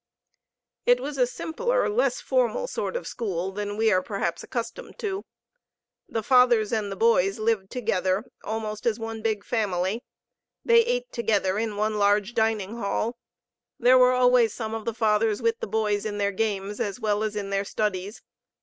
It was a simpler, less formal sort of school than we perhaps are accustomed to. The Fathers and the boys lived together, almost as one big family. They ate together in one large dining hall. There were always some of the Fathers with the boys in their games, as well as in their studies.